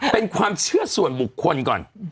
เป็นความเชื่อส่วนบุคคลก่อน